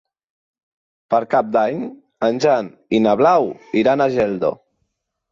Per Cap d'Any en Jan i na Blau iran a Geldo.